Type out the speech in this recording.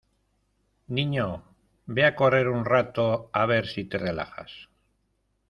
Niño, ve a correr un rato, a ver si te relajas.